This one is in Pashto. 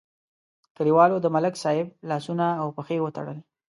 کلیوالو د ملک صاحب لاسونه او پښې وتړل.